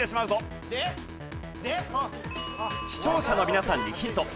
視聴者の皆さんにヒント。